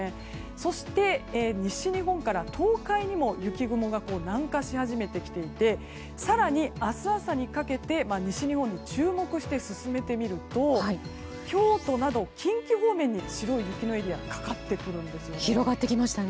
そして西日本から倒壊にも雪雲が南下し始めてきていて更に明日朝にかけて西日本に注目して進めてみると、京都など近畿方面に白い雪のエリアがかかってくるんです。